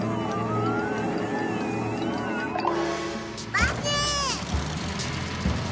バス！